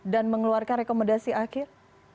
dan mengeluarkan rekomendasi akhir